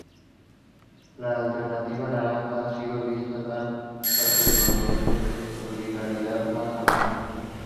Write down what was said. La Alternativa Naranja ha sido vista tan parte del movimiento de Solidaridad más amplio.